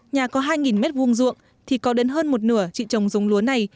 nhà có hai mét vuông ruộng thì có đến hơn một nửa chị trồng giống lúa này